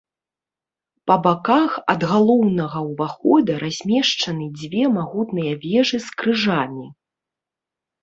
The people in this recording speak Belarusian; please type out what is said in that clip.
Па баках ад галоўнага ўвахода размешчаны дзве магутныя вежы з крыжамі.